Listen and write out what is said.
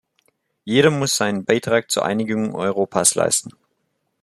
Jeder muss seinen Beitrag zur Einigung Europas leisten.